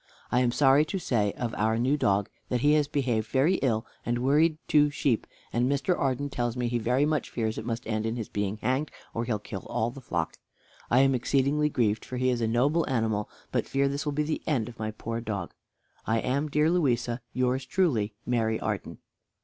I am sorry to say of our new dog, that he has behaved very ill and worried two sheep, and Mr. Arden tells me he very much fears it must end in his being hanged or he'll kill all the flock. I am exceedingly grieved, for he is a noble animal, but fear this will be the end of my poor dog. "I am, dear Louisa, yours truly "MARY ARDEN."